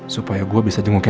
supaya gue bisa jengukin